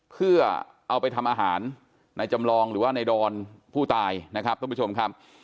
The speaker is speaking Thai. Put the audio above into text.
เพื่อเอาไปทำอาหารในจำลองหรือว่าในดอนผู้ตายนะครับท่านผู้ชมครับ